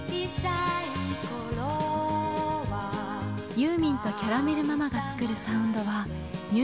ユーミンとキャラメル・ママが作るサウンドはニューミュージックと呼ばれ